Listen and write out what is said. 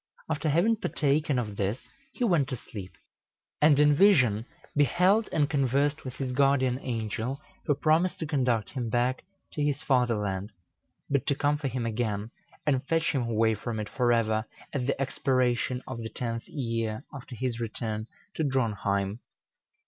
After having partaken of this he went to sleep, and in vision beheld and conversed with his guardian angel, who promised to conduct him back to his fatherland, but to come for him again and fetch him away from it forever at the expiration of the tenth year after his return to Dronheim.